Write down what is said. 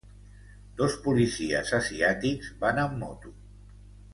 Dos policies asiàtics van amb moto.